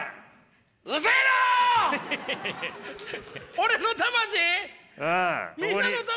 俺の魂！？